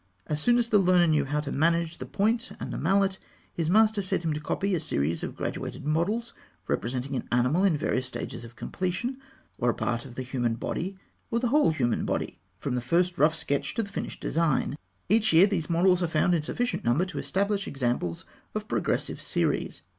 As soon as the learner knew how to manage the point and the mallet, his master set him to copy a series of graduated models representing an animal in various stages of completion, or a part of the human body, or the whole human body, from the first rough sketch to the finished design (fig. 182). Every year, these models are found in sufficient number to establish examples of progressive series.